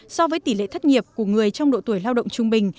so với tỷ lệ thất nghiệp của người trong độ tuổi lao động trung bình